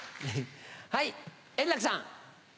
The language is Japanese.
はい円楽さん。